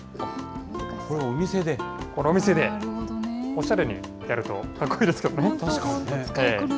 これ、お店で、おしゃれにやるとかっこいいですけど。